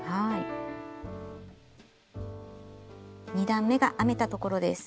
２段めが編めたところです。